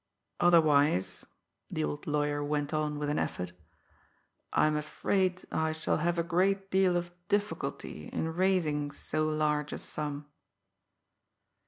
"Otherwise," the old lawyer went on with an effort, "I am afraid I shall have a great deal of difficulty in raising so large a sum."